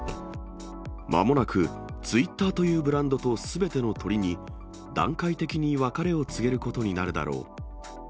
まもなくツイッターというブランドとすべての鳥に段階的に別れを告げることになるだろう。